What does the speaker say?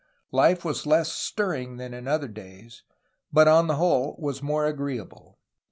Life was less stirring than in other days, but on the whole was more agree able.